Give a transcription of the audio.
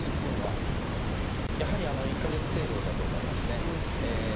やはり１か月程度だと思います。